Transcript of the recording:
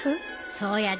そうやで。